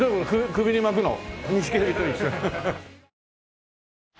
首に巻くの？